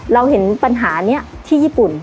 เราเห็นปัญหานี้ที่ญี่ปุ่น